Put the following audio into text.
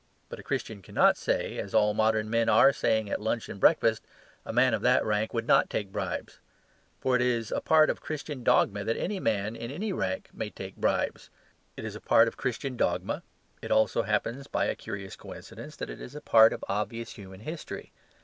But a Christian cannot say, as all modern men are saying at lunch and breakfast, "a man of that rank would not take bribes." For it is a part of Christian dogma that any man in any rank may take bribes. It is a part of Christian dogma; it also happens by a curious coincidence that it is a part of obvious human history.